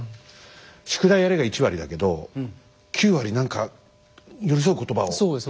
「宿題やれ」が１割だけど９割何か寄り添う言葉をかければいいのかしら。